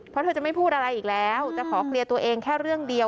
เพราะเธอจะไม่พูดอะไรอีกแล้วจะขอเคลียร์ตัวเองแค่เรื่องเดียว